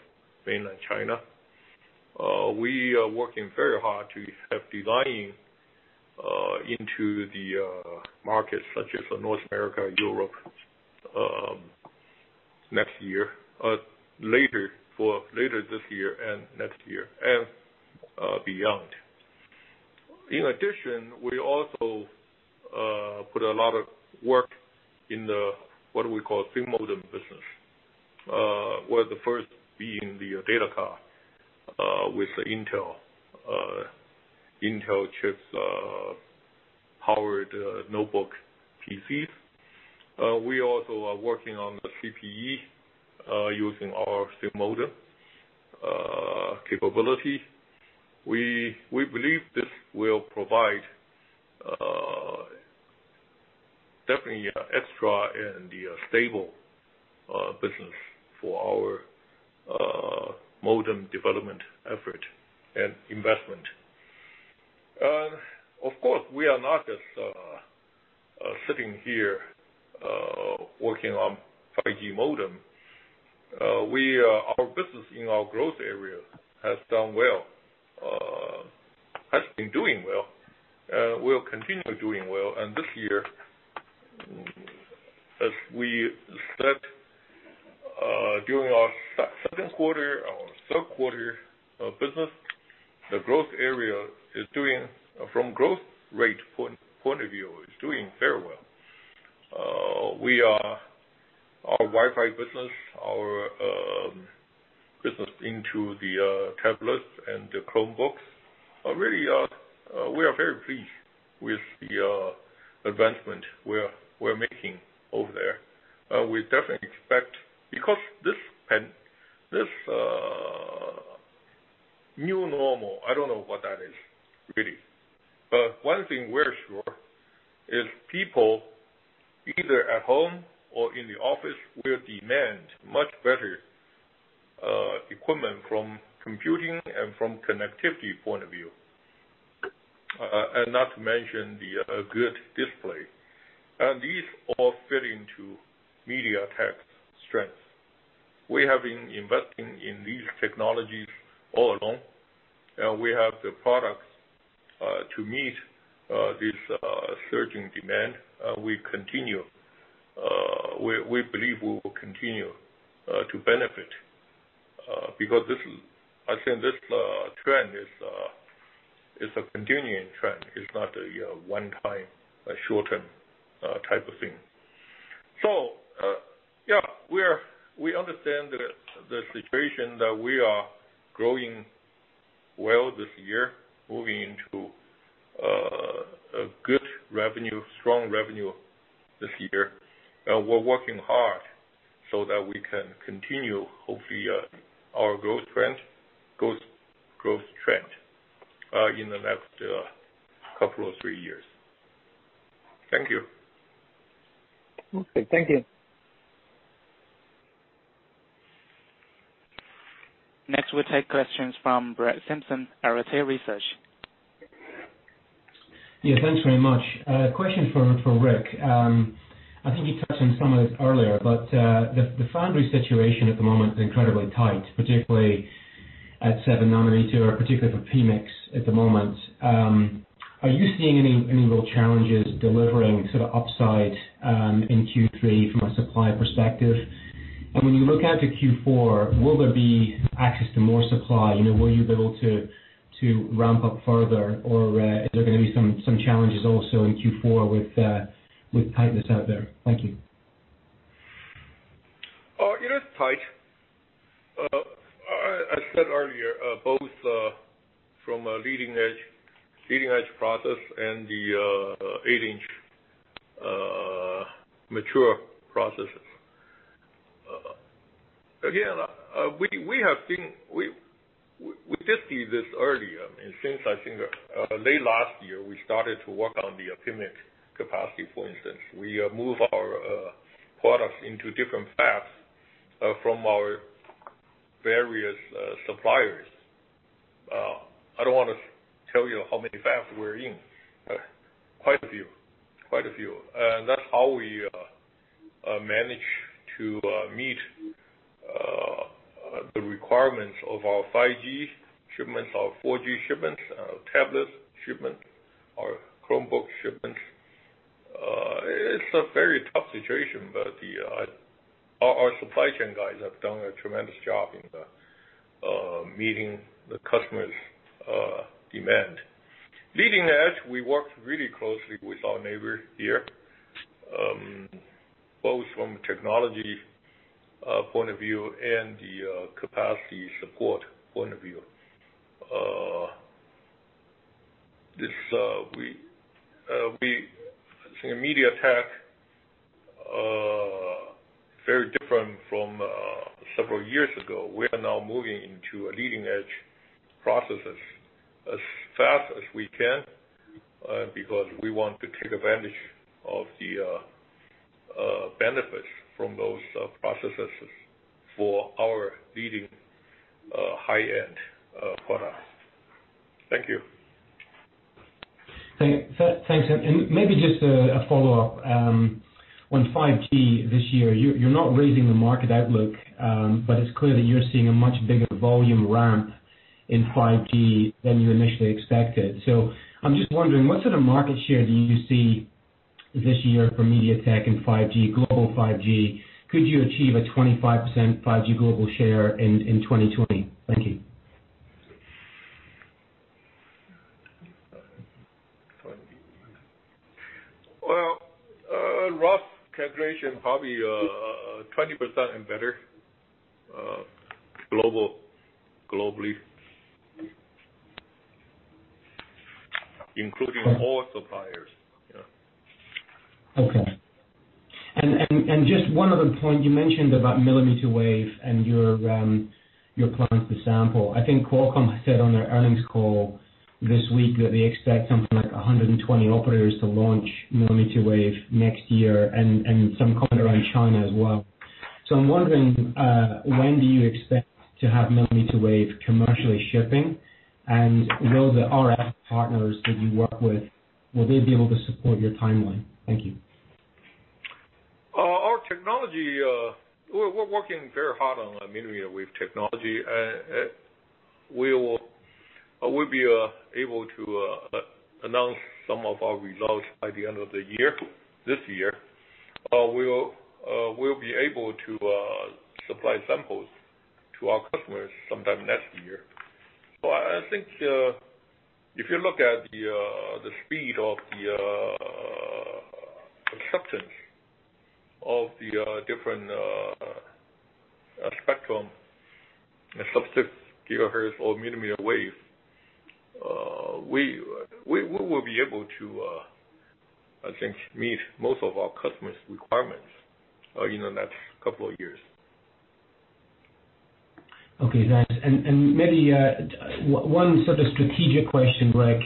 S4: Mainland China. We are working very hard to have designing into the markets such as North America and Europe for later this year and next year and beyond. We also put a lot of work in the, what we call SIM modem business. The first being the data card, with Intel chips powered notebook PCs. We also are working on the CPE, using our SIM modem capability. We believe this will provide definitely extra and stable business for our modem development effort and investment. Of course, we are not just sitting here working on 5G modem. Our business in our growth area has done well. Has been doing well, will continue doing well. This year, as we said, during our second quarter, our third quarter business, the growth area, from growth rate point of view, is doing very well. Our Wi-Fi business, our business into the tablets and the Chromebooks, really, we are very pleased with the advancement we're making over there. We definitely expect, because this new normal, I don't know what that is really. One thing we're sure is people, either at home or in the office, will demand much better equipment from computing and from connectivity point of view. Not to mention the good display. These all fit into MediaTek's strength. We have been investing in these technologies all along, and we have the products to meet this surging demand. We believe we will continue to benefit because I think this trend is a continuing trend. It's not a one-time, short-term type of thing. Yeah. We understand the situation that we are growing well this year, moving into a good revenue, strong revenue this year. We're working hard so that we can continue, hopefully, our growth trend in the next couple or three years. Thank you.
S10: Okay. Thank you.
S1: Next, we'll take questions from Brett Simpson, Arete Research.
S11: Yeah, thanks very much. A question for Rick. I think you touched on some of this earlier, but the foundry situation at the moment is incredibly tight, particularly at 7 nm or particularly for PMIC at the moment. Are you seeing any real challenges delivering upside in Q3 from a supply perspective? When you look out to Q4, will there be access to more supply? Will you be able to ramp up further, or are there going to be some challenges also in Q4 with tightness out there? Thank you.
S4: It is tight. I said earlier, both from a leading-edge process and the 8-inch mature processes. We discussed this earlier, and since, I think, late last year, we started to work on the PMIC capacity, for instance. We move our products into different fabs from our various suppliers. I don't want to tell you how many fabs we're in. Quite a few. That's how we manage to meet the requirements of our 5G shipments, our 4G shipments, our tablet shipments, our Chromebook shipments. It's a very tough situation, but our supply chain guys have done a tremendous job in meeting the customers' demand. Leading edge, we worked really closely with our neighbor here, both from a technology point of view and the capacity support point of view. MediaTek, very different from several years ago. We are now moving into leading-edge processes as fast as we can because we want to take advantage of the benefits from those processes for our leading high-end products. Thank you.
S11: Thanks. Maybe just a follow-up. On 5G this year, you're not raising the market outlook, but it's clear that you're seeing a much bigger volume ramp in 5G than you initially expected. I'm just wondering, what sort of market share do you see this year for MediaTek in 5G, global 5G? Could you achieve a 25% 5G global share in 2020? Thank you.
S4: Well, rough calculation, probably 20% and better, globally. Including all suppliers. Yeah.
S11: Okay. Just one other point, you mentioned about millimeter wave and your plans to sample. I think Qualcomm said on their earnings call this week that they expect something like 120 operators to launch millimeter wave next year, and some coming around China as well. I'm wondering, when do you expect to have millimeter wave commercially shipping? Will the RF partners that you work with, will they be able to support your timeline? Thank you.
S4: Our technology, we're working very hard on millimeter wave technology. We'll be able to announce some of our results by the end of the year, this year. We'll be able to supply samples to our customers sometime next year. I think if you look at the speed of the acceptance of the different spectrum sub-6 GHz or millimeter wave, we will be able to, I think, meet most of our customers' requirements in the next couple of years.
S11: Okay, thanks. Maybe one sort of strategic question, Rick.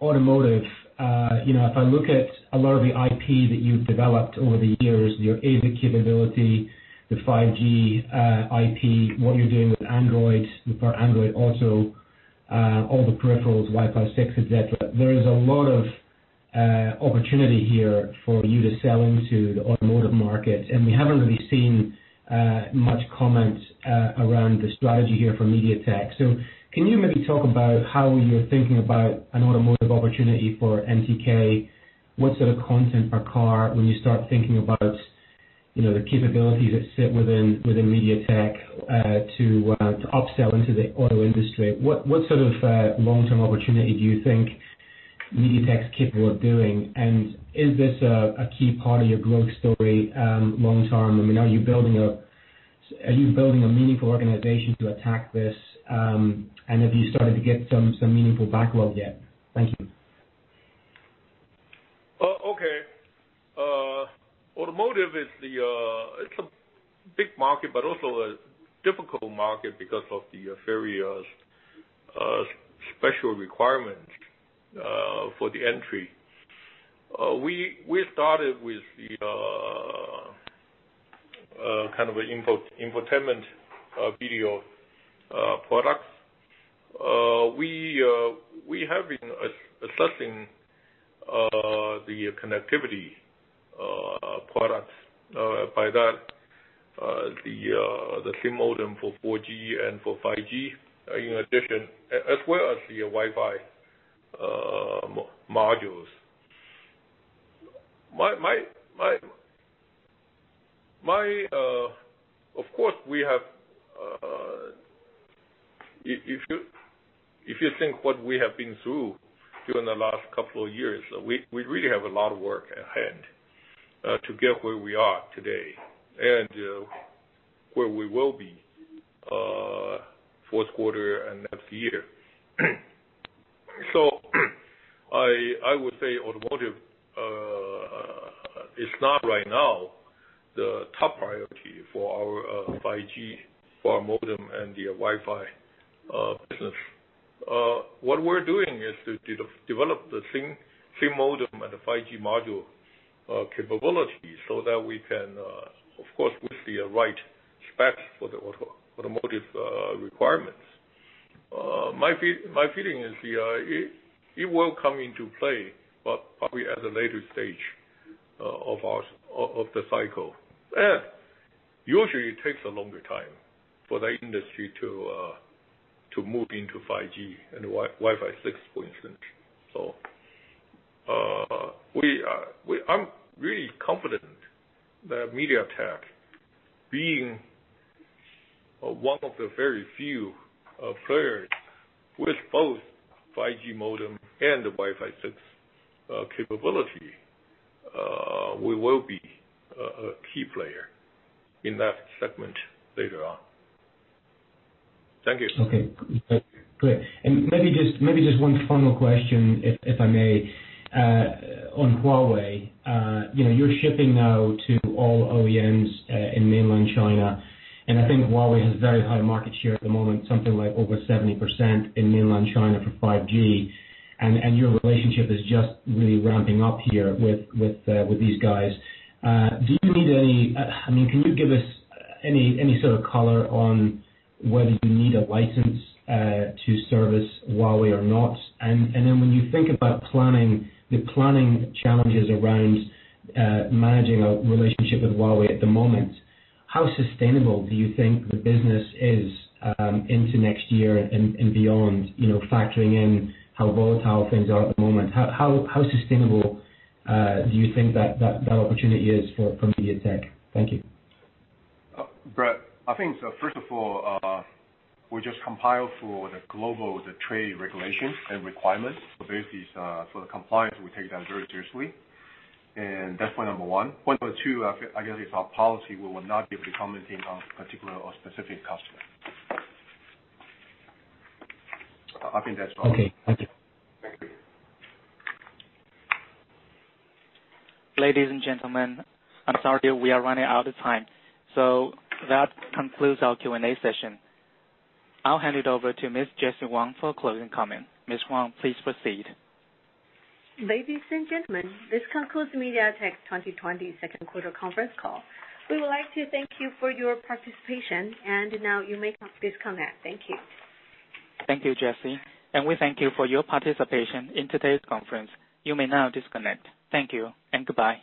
S11: Automotive. If I look at a lot of the IP that you've developed over the years, your A/V capability, the 5G IP, what you're doing with Android Auto, all the peripherals, Wi-Fi 6, et cetera. There is a lot of opportunity here for you to sell into the automotive market, and we haven't really seen much comment around the strategy here for MediaTek. Can you maybe talk about how you're thinking about an automotive opportunity for MediaTek? What sort of content per car when you start thinking about the capabilities that sit within MediaTek to up-sell into the auto industry. What sort of long-term opportunity do you think MediaTek's capable of doing? Is this a key part of your growth story long-term? Are you building a meaningful organization to attack this? Have you started to get some meaningful backlog yet? Thank you.
S4: Automotive is a big market, but also a difficult market because of the very special requirements for the entry. We started with the infotainment video products. We have been assessing the connectivity products. The cellular modem for 4G and for 5G, in addition, as well as the Wi-Fi modules. If you think what we have been through during the last couple of years, we really have a lot of work ahead to get where we are today and where we will be fourth quarter and next year. I would say automotive is not right now the top priority for our 5G, for our modem, and the Wi-Fi business. What we're doing is to develop the cellular modem and the 5G module capability so that we can, of course, with the right specs for the automotive requirements. My feeling is it will come into play, but probably at the later stage of the cycle. Usually, it takes a longer time for the industry to move into 5G and Wi-Fi 6, for instance. I'm really confident that MediaTek, being one of the very few players with both 5G modem and the Wi-Fi 6 capability, we will be a key player in that segment later on. Thank you.
S11: Okay, great. Maybe just one final question, if I may. On Huawei. You're shipping now to all OEMs in Mainland China, and I think Huawei has very high market share at the moment, something like over 70% in Mainland China for 5G, and your relationship is just really ramping up here with these guys. Can you give us any sort of color on whether you need a license to service Huawei or not? When you think about the planning challenges around managing a relationship with Huawei at the moment, how sustainable do you think the business is into next year and beyond, factoring in how volatile things are at the moment? How sustainable do you think that opportunity is for MediaTek? Thank you.
S3: Brett, I think so first of all, we just comply with the global trade regulation and requirements. Basically, for the compliance, we take that very seriously, and that's point 1. Point 2, I guess it's our policy we will not be able to comment on particular or specific customer. I think that's all.
S11: Okay. Thank you.
S3: Thank you.
S1: Ladies and gentlemen, I'm sorry we are running out of time. That concludes our Q&A session. I'll hand it over to Ms. Jessie Wang for a closing comment. Ms. Wang, please proceed.
S2: Ladies and gentlemen, this concludes MediaTek's 2020 second quarter conference call. We would like to thank you for your participation, and now you may disconnect. Thank you.
S1: Thank you, Jessie. We thank you for your participation in today's conference. You may now disconnect. Thank you and goodbye.